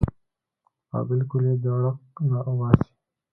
او بالکل ئې د ړق نه اوباسي -